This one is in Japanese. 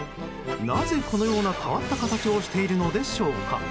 なぜ、このような変わった形をしているのでしょうか。